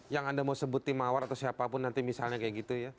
yang anda mau sebut tim mawar atau siapapun nanti misalnya kayak gitu ya